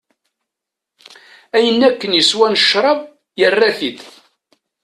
Ayen akken yeswa n ccrab, yerra-t-id.